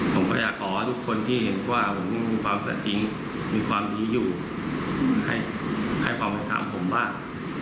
ผมก็อยากขอให้ทุกคนที่เห็นว่าผมมีความสัดจริงมีความรู้อยู่ให้ความเป็นธรรมผมบ้าง